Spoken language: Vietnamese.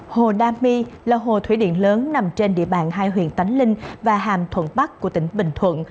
hồ đa my là hồ thủy điện lớn nằm trên địa bàn hai huyện tánh linh và hàm thuận bắc của tỉnh bình thuận